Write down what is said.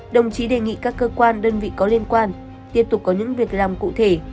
đồng chí đề nghị các cơ quan đơn vị có liên quan tiếp tục có những việc làm cụ thể